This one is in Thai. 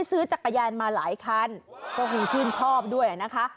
ซื้อจักรยานมาหลายคันก็คงชื่นชอบด้วยนะคะ